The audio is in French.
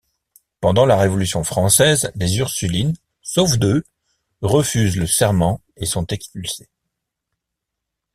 Pendant la Révolution française, les Ursulines, sauf deux, refusent le serment et sont expulsées.